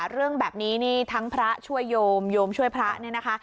เรื่องแบบนี้นี่ทั้งพระช่วยโยมโยมช่วยพระเนี่ยนะคะ